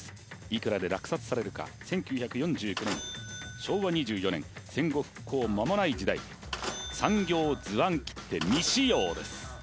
いくらで落札されるか１９４９年昭和２４年戦後復興まもない時代産業図案切手未使用です